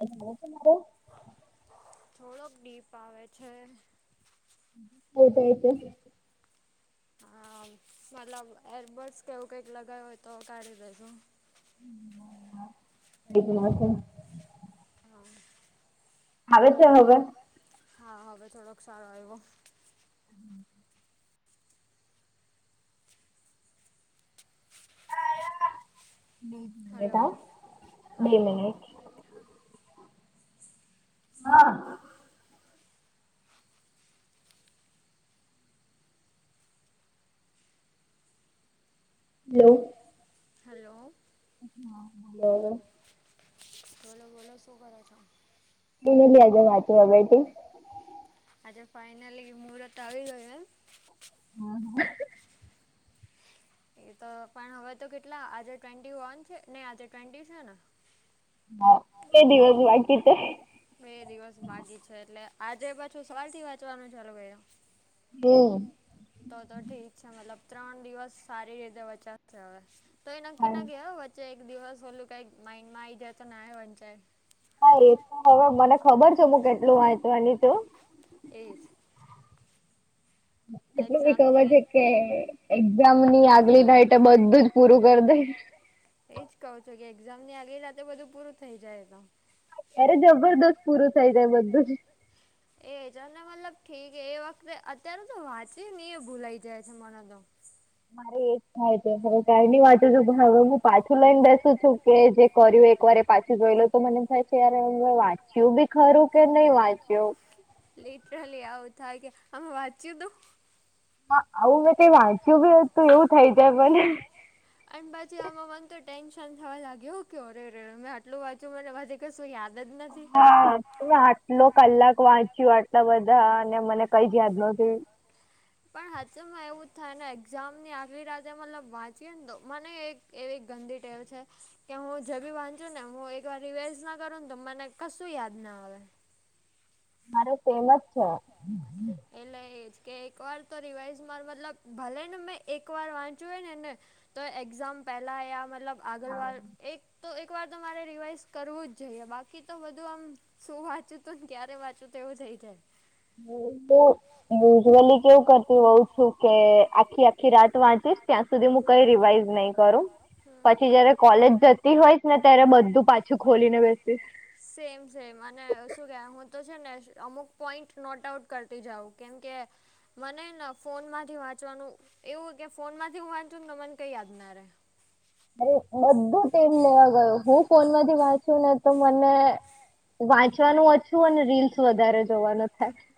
ું [unintelligible] થોડોક ડીપ આવે છે. બટ એ છે. હ, મતલબ એરબડ્સ કેવું કઈક લગાવું હોય તો કાઢી દેજું. કમાં છે. હા. હાવવે છે હવે? હા હવે થોડોક સારો આવ્યો. હમ. બે મિટ હા બે મિનેટ. હા. હલો. હલો. હા હલો. બોલો બોલો શું કરા છ? એની આજે વાચ હગ હતી. આજે ફાઈનલ મુરત આવી ગયો. હમ હા [unintelligible] એ તો પણ હવે તો કેટલા આજે ટ્વેન્ટી વન છે નને આજે ટ્વેન્ટી છે ને? તે દિવસ બાકી છે. બે દિવસ બાકી છે એટલે આજે પાછું સવાલથી વાંચવાનું ચાલુ કર્યું. હમ. તો તો ઠીક છે મતલબ ત્રણ દિવસ સારી રીતે વચશે હવે, તો એ નક્કી ના ક એક દિવસ હોલું ક માઇડમાં આઈ જાય તો ના વંચાય. હા એ તો હવે મને ખબર છે હું કેટલું વાય હતું એની તું. એ જ. એટલું બી કવાર છે કે એક્ઝામ ની આગલી ના એટ બધું જ પૂરું કરી દે. એજ કહો છો કે એક્ઝામ ની આગળતે બધું પૂરું થઈ જાય તો. ત્યારે જબરદસ્ત પૂરું થઈ જાય બધું જ. એજ અને મતલબ ઠીક એ વખતે અત્યારે તો વાંચી એ ભૂલાઈ જાય છે મને તો. મારે એજ થાય છે હકારની વાતો છું પણ હવે હું પાછું લઈને બેસું છું કે જે ફરી એક વારે પાછું જોઈ લો તો મને થાય છે યાર વાંચ્યું બી ખરું કે નહી વાંચ્યું લેટરલી આવું થાય કે આ મે વાંચ્યું તું હા આવું મેં વાંચ્યું બી તું એવું થઈ જાય પણ. અને પછી આમાં મને તો ટેન્શન થવા લાગ્યું કે અરે રે મેં આટલું વાંચું મને કશું યાદ જ નથી. હા આટલો કલાક વાંચ્યું આટલા બધા અને મને કઈ જ યાદ નતી. પણ હાચમાં એવું જ થાય ને એક્ઝામ ની આગલી રાતે મતલબ વાંચી યે ને તો મને એક એવી ગંદી ટેવ છે કે હું જે બી વાંચું ને હું એકવાર રિવાઇઝ ના કરું ને તો મને કસું યાદ ના આવે મારે ફેમસ છે એટલે એ જ કે એક વાર તો રિવાઈઝ મા મતલબ ભલે ને મેં એક વાર વાંચુ હોય ને તો એક્ઝામ પહેલાં આવયા મતલબ આગળવા એક તો એક વાર તમારે રિવાઈઝ કરવું જ જોઈએ બાકી તો બધું આમ શું વાંચું તો ને ક્યારે વાંચું તો એવું થઈ જાય બો હ યુઝઅલી કેવું કરતી હોઉ છું કે આખી આખી રાત વાંચીશ ત્યાં સુધી હું કઈ રિવાઈઝ નહી કરું પછી જયારે કોલેજ જતી હોયસ ને ત્યારે બધું પાછું ખોલી ને બેસીશ કેમ છે મને તો છે ને અમુક પોઈન્ટ નોટ આઉટ કરતી જાવં કેમ કે મને ને ફોન માંથી વાંચવાનું એવું કે ફોન માંથી હું વાંચું ને મને કઈ યાદ ના રહેે અરે બધું તેલ લેવા ગયું હું ફોન માંથી વાંચુ ને તો મને વાંચવાનું ઓછું અને રીલ્સ વધારે જોવાનું થાય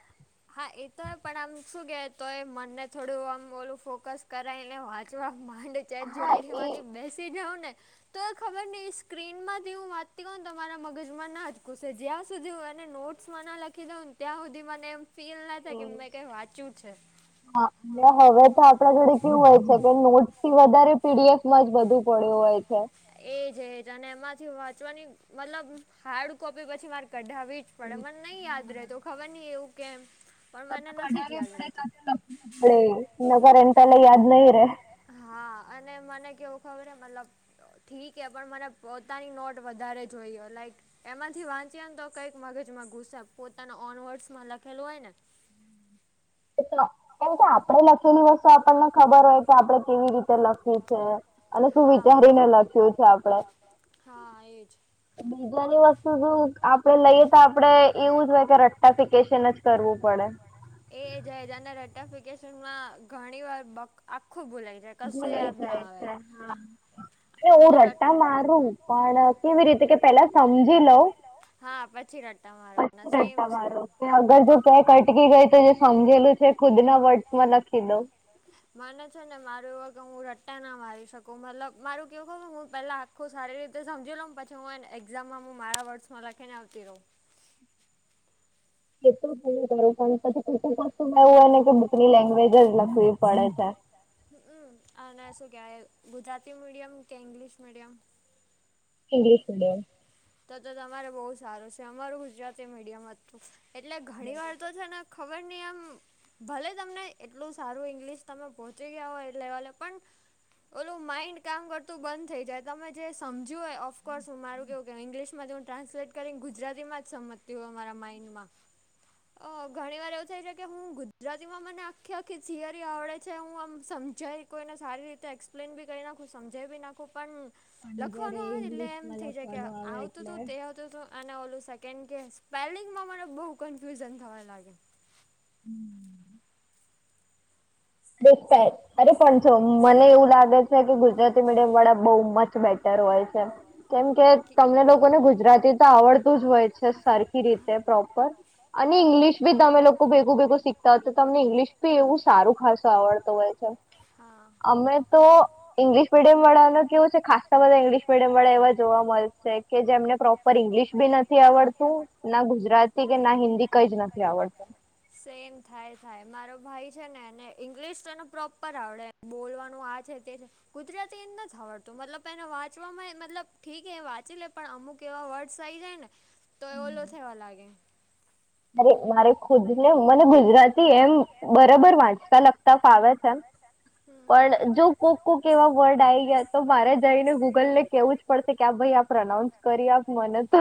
હા એ તોય પણ આમ શું કેહે તો એ મનને થોડું આમ ઓલું ફોકસ કરાયને વાંચવા માંડે જે જે વિડીયો માંથી બેસી જવ ને તો ખબર નિહ સ્ક્રીન માંથી હું વાંચતી હોવ ને તમારા મગજમાં ના જ ઘૂસે જ્યાં સુધી હું એને નોટ ના લખી દઉને ત્યાં સુધી મને એ ફીલ ના થાય કે મેં કઈ વાંચ્યું છે હા એ હવે તો આપણા જોડે કેવું હોય છે કે નોટ્સ થી વધારે પીડીએફ મા જ બધું પડ્યું હોય છે એ જ જ અને એમાંથી વાંચવાની મતલબ હાર્ડ કોપી પછી મારે કઢાવી જ પડે મને નહી યાદ રહે તો ખબર નહી એવું કેમ પડવી પડે પડે ન કર એ તલા યાદ નહી રે હા અને મને કેવું ખબર મતલબ તો ઠીકે પણ મને પોતાની નોટ વધારે જોઈએ લાઈક એમાંથી વાંચ્યાને તો કંઈક મગજમાં ગુસે પોતાના ઓનવર્ડમાં લખેલું હોય ને કેમ કે આપણે લખેલી વસ્તુ આપણને ખબર હોય કે આપણે કેવી રીતે લખીએ છે અને શું વિચારીને લખ્યું છે આપડે હા એ જ બીજાની વસ્તુ જો આપડે લઈએ તો આપડે એવું જ હોય કે રટાર્ફિકેશન જ કરવું પડે એ જજાના રેટફિકેશનમાં ઘણી વાર આખું ભૂલાય કસો યાદ ના આવે હા એ હુ રટ્ટા મારું પણ કેવી રીતે કે પેલા સમજી લઉં પછી રટા [unintelligible] સેમ [unintelligible] અટકી ગય તો સમજેલું છે ખુદ ના વર્તમાં નક્કી મને છે ને મારું વ કે હું રટ્ટા ના મારી શકુ મતલબ મારું કેવ ખબર પેલા આખું સારી રીતે સમજી લઉ પછી હું એક્ઝામમાં હુ મારા વર્ડસ લખીને આવતી રહું [unintelligible] ની લેંગ્વેજ જ લખવી પડે છે હમ્મ અને શું કહેવાય ગુજરાતી મીડિયમ કે ઇંગ્લિશ મીડિયમ ઈગ્લિશ મીડયમ તો તો તમારે બહુ સારું છે અમારું ગુજરાતી મીડિયમ હતું એટલે, ઘણી વાર તો છે ને ખબરની આમ ભલે તમને એટલું સારું ઈંગ્લિશ તમે પહોંચી ગયા હોય એ લેવલે પણ ઓલું માઈન્ડ કામ કરતું બંધ થઈ જાય તમે જે સમજ્યું હોય ઓફકોર્સ હું મારું કેવુ ઇંગ્લિશમાં જ હું ટ્રાન્સલેટ કરીને ગુજરાતી માં જ સમજતી હોય મારા માઇન્ડ માં અ ઘણી વાર એવું થાય છે કે હું ગુજરાતીમાં મને આખી આખી થિયરી આવડે છે હું આમ સમ જ્યારે કોઈને સારી રીતે એક્સપ્લેન બી કરી નાખું, સમજાવ બી નાખું. પણ પણ જયારે ઈગ્લિશ માં લખવાનુ આવે એટલે થતું તું. અને ઓલુ સેકન્ડ કે સ્પેલિંગમાં મને બહુ કન્ફ્યુઝન થવા લાગે. હમ દેખતાય. અરે પણ છોને મને એવું લાગે છે કે, ગુજરાતી મીડિયમ વાળા બહુ મચ બેટર હોય છે. કેમ કે, તમને લોકોને ગુજરાતી તો આવડતું જ હોય છે સરખી રીતે પ્રો પર અને ઇંગ્લિશ બી તમે લોકો ભેગું ભેગું શીખતા હો, તો તમને ઇંગ્લિશ બી એવું સારું ખાસ આવડતું હોય છે હા અમને તો ઇંગ્લિશ મીડિયમ વાળા ને કેવું છે ખાસ્સા બધા ઇંગ્લિશ મીડિયમ વાળા એવા જોવા મળશે. કે જેમને પ્રોપર ઇંગ્લિશ બી નથી આવડતું, ના ગુજરાતી કે, ના હિન્દી, કંઈ જ નથી આવડતું. સેમ થાય થાય. મારો ભાઈ છે ને, એને ઈંગ્લિશ તો એને પ્રોપર આવડે બોલવાનું આ છે તે છે ગુજરાતી એને નથી આવડતું. મતલબ એને વાંચવામાં, મતલબ ઠીક એ વાંચી લે પણ અમુક કેવા વર્ડ્સ આઈ જાય ને તો એ ઓલો થવા લાગે અરે મારે ખુદ ને મને ગુજરાતી એમ બરાબર વાંચતા લખતાં ફાવે છે. પણ, જો કોક કોક એવા વર્ડ આવી ગયા તો મારે જઈને ગૂગલ ને કેવું જ પડશે કે, આ ભાઈ આ પ્રોનાઉન્સ કરી આપ મને તો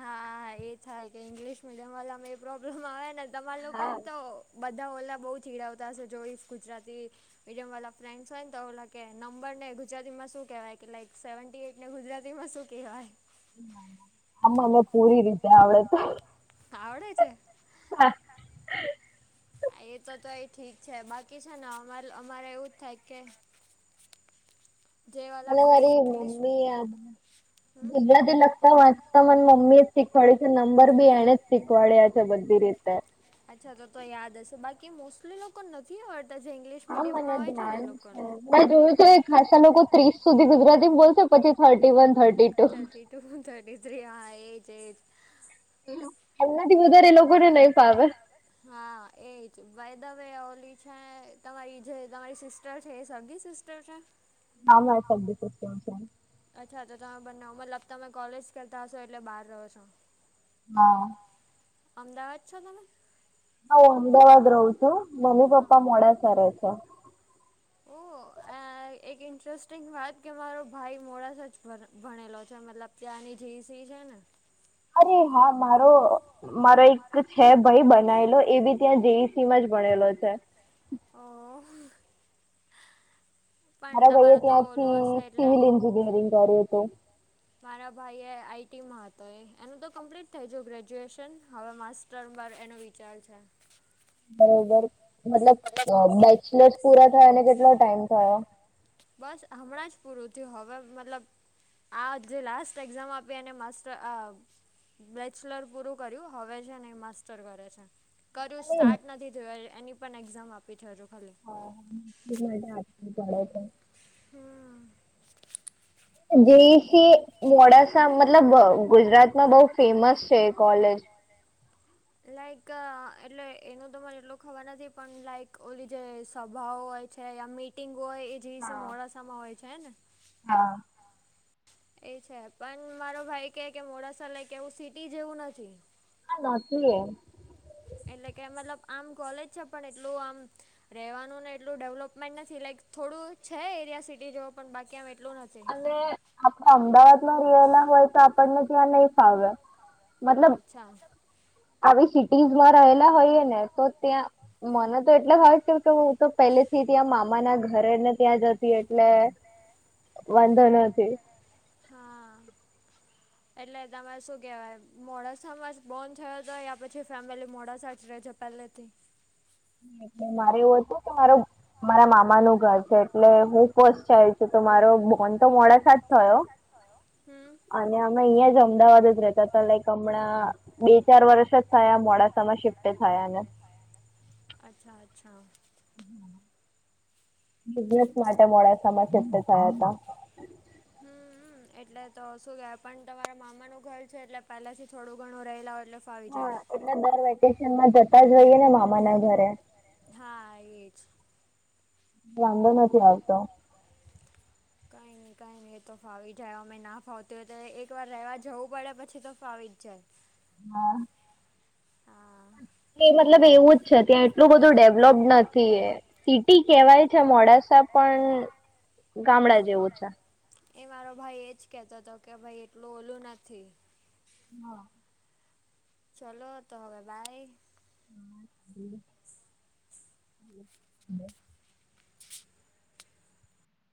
હા એ થાય કે ઈંગ્લિશ મીડિયમ વાળામાં એ પ્રોબ્લેમ આવે ને તમારા લોકોમાં તો બધા ઓલા બહુ ચીડાવતા હશે. જોઈશ ગુજરાતી મીડિયમ વાળા ફ્રેન્ડસ હોય ને તો ઓલા કે નંબર ને ગુજરાતીમાં શું કેહેવાય કે લાઈક સેવનટી ને ગુજરાતી માં શું કહેવાય આમને પૂરી રીતે આવડે તો આવડે છે. એ તો તોય ઠીક છે. બાકી છે ને અમા અમારે એવું જ થાય કે અને વરી મમ્મી બ [unintelligible] બધું લખતાં વાંચતા મને મમ્મી જ શીખવાડ્યું છે નંબર બી એને જ શીખવાડ્યા છે બધી રીતે અચ્છા તો તો યાદ હશે બાકી મોસ્ટલી લોકો નથી તે જે ઈગ્લિ મીડિયમમાં હોય છે ને એમ લોકો મેં જોયું છે ખાસસા લોકો ત્રીસ સુધી ગુજરાતીમાં બોલશે. પછી thirty one, thirty two, thirty two, thirty three, હા એજ એજ અહીંયા થી વધારે એ લોકોને નહી ફાવે. હા! એજ બાયદવે ઓલી છે, તમારી જે તમારી સિસ્ટર છે એ સગી સિસ્ટ ટર છે? હા મારી સગી સિસ્ટર છે. અચ્છા તો તમે બંને ઉંમર [unintelligible] તમે કોલેજ કરતા હશો એટલે બહાર રહો છો. હા અમદાવાદ છો તમે હા હું અમદાવાદ રહું છું, મમ્મી પપ્પા મોડાસા રહે છે. ઓ એક ઇન્ટરેસ્ટિંગ વાત કે મારો ભાઈ મોડાસા જ ભણેલો છે મતલબ ત્યાંની જે ઈ સી છે ને અરે હા મારો મારો એક છે ભાઈ બનાયલો એ બી ત્યાં જેઈસી માં જ ભણેલો છે. હ. મારા ભાઈએ ત્યાંથી સિવિલ એન્જિનિયરિંગ કર્યું હતું. મારા ભાઈએ આઈટીમાં હતો એ એનું તો કમ્પ્લીટ થઈ જું ગ્રેજ્યુએશન હવે મા તરંવાર એનો વિચાર છે. બરોબર, મતલબ બેચસ પૂરા થયાને કેટલો ટાઈમ થયો? બસ હમણાં જ પૂરથી હવે મતલબ આ જે લાસ્ટ એક્ઝામ આપીને માસ્ટર બેચલર પૂરું કર્યું હવે છે ને માસ્ટર કરે છે. કર્યું સ્ટાર્ટ નથી થયું એની પણ એક્ઝામ આપી થજું ખાલી. માટે આટ પડ છે. હમ. જેઈસી મોડાસા મતલબ ગુજરાતમાં બહુ ફેમસ છે એ કોલેજ. લાઈક એટલે એનું તો મને એટલું ખબર નથી પણ લાઈક ઓલી જે સભાઓ હોય. છે મિટિંગ હોય એ જે મોડાસામાં હોય છે હ ને? હા. એ છે પણ મારો ભાઈ કે કે મોડાસા લય કે એવું સિટી જેવું નથી. નથીજી એ. એટલે કે મતલબ આમ કોલેજ છે પણ એટલું આમ રહેવાનું ને એટલું ડેવલપમેન્ટ નથી લાઈઇક થોડું છે એરિયા સિટી જોવ પણ બાકી આમ એટલું નથી. આપણા અમદાવાદ માં રિયેલા હોય તો આપણને ત્યાં નહી ફાવે. અચ્છા. આવી સિટીઝમાં રહેલા હોઈએ ને તો ત્યાં મને તો એટલે હોય કે કે હું તો પેલે થી ત્યાં મામા ના ઘરે ને ત્યાં જતી એટલે વંધો ન હતી. હા. હ [inaudible] એટલે તમારે શું કહેવાય મોડાસામાં બોન થયો હતો યા પછી ફેમિલી મોડાસા જ રહે છે પહેલેથી? એટલે મારે એવું હતું કે મારો મારા મામા નું ઘર છે એટલે હું ફસ્ટ ચાલ છું તો મારો બોન તો મોડાસાજ થયો. અને અમે અહિયાં જ અમદાવાદ જ રતા હતા લાઈક હમણાં બે ચાર વર્ષ જ થયા મોડાસામાં શિફ્ટ થયા ને. અચ્છા અચ્છા. બિઝનેસ માટે મોડા સમય છે થયા હતા. હમ. એટલે તો શું કેહેવાય પણ તમારા મામાનું ઘર છે એટલે પહેલાથી થોડું ઘણું રહેલા હો એટલે હા એટલે દર વેકેશનમાં જતા જ હોઈએે ને મામા ના ઘરે. હા એ જ. વાંધો નથી આવતો. કાંઈ નહીં કાઈ નહી એ તો ફાવી જાય અમે ના ફાવતી હોય તો એક વાર રહેવા જવું પડે પછી તો ફાવિત જાય. હા. એ મતલબ એવું જ છે ત્યાં એટલું બધું ડેવલોપડ નથી એ. સિટી કેવાય છે મોડાસા પણ ગામડા જેવું છે. એ મારો ભાઈ એજ કેતો હતો કે ભાઈ એટલું ઓલું નથી. હા. ચલો તો હવે બાય. હમ. [inaudible] બ [inaudible]